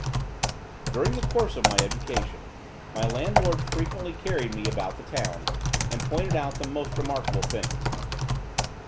During the course of my education, my landlord frequently carried me about the town, and pointed out the most remarkable things.